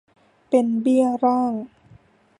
เป็นเบี้ยล่าง